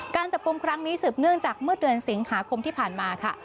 การจับกลุ่มครั้งนี้สืบเนื่องจากเมื่อเดือนสิงหาคมที่ผ่านมาค่ะ